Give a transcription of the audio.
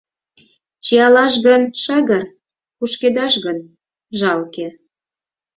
Чиялаш гын, шыгыр, кушкедаш гын, жалке